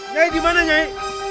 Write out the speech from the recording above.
nyai dimana nyai